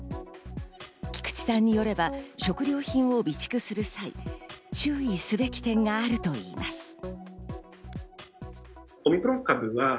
菊池さんによれば食料品を備蓄する際、注意すべき点があるといいます。